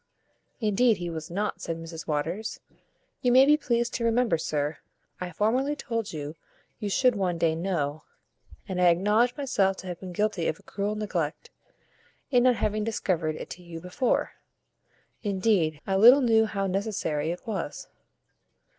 "Indeed he was not," said Mrs Waters. "You may be pleased to remember, sir, I formerly told you, you should one day know; and I acknowledge myself to have been guilty of a cruel neglect, in not having discovered it to you before. Indeed, I little knew how necessary it was."